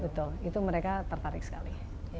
betul itu mereka tertarik sekali